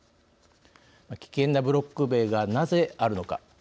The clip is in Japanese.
危険なブロック塀がなぜあるのか。